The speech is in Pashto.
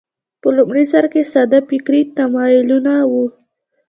په لومړي سر کې ساده فکري تمایلونه وو